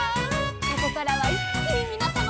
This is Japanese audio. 「ここからはいっきにみなさまを」